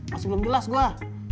masih belum jelas gue